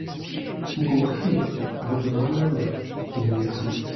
Vous comprenez, avec le malheur qui nous arrive.